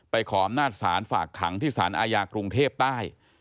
ขออำนาจศาลฝากขังที่สารอาญากรุงเทพใต้